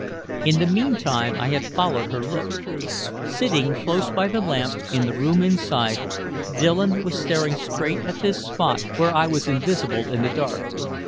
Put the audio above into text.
In the meantime I had followed her look. Sitting close by the lamp, in the room inside, Dillon was staring straight at this spot where I was invisible in the dark.